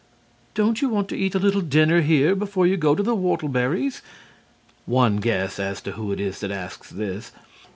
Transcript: "Don't you want to eat a little dinner here before you go to the Whortleberry's?" (One guess as to who it is that asks this.)